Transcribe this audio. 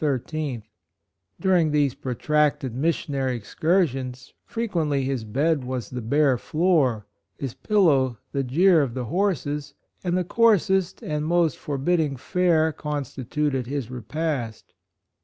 120 HIS MISSION", During these protracted mission ary excursions, frequently his bed was the bare floor — his pillow the geers of the horses, and the coarsest and most forbidding fare consti tuted his repast.